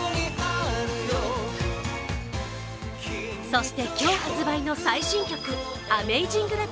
そして今日発売の最新曲「ＡｍａｚｉｎｇＬｏｖｅ」。